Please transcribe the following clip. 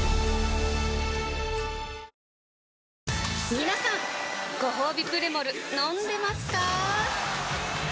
みなさんごほうびプレモル飲んでますかー？